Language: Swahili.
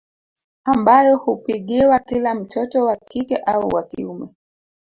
Ambayo hupigiwa kila mtoto wa kike au wa kiume